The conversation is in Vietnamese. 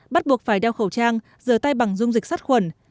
bắt buộc phải đeo khẩu trang dờ tay bằng dung dịch sát khuẩn